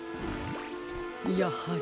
やはり。